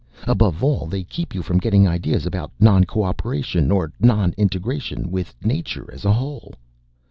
Above all, they keep you from getting ideas about non cooperation or non integration with Nature as a whole.